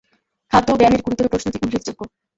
খাদ্য ও ব্যায়ামের গুরুতর প্রশ্নটি উল্লেখযোগ্য।